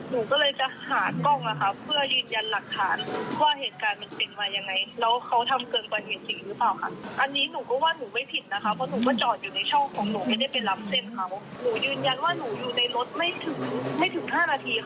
หนูยืนยันว่าหนูอยู่ในรถไม่ถึง๕นาทีค่ะ